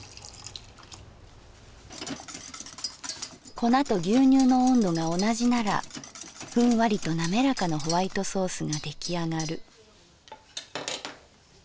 「粉と牛乳の温度が同じならフンワリとなめらかなホワイトソースが出来上がる」。